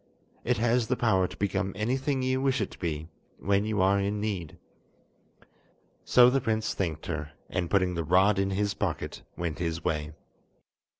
It has the power to become anything you wish it to be, when you are in need." So the prince thanked her, and putting the rod in his pocket, went his way.